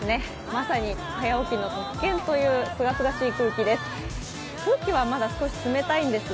まさに早起きの特権というすがすがしい空気です。